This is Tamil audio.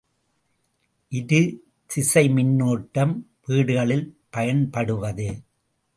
இரு திசைமின்னோட்டம் வீடுகளில் பயன்படுவது.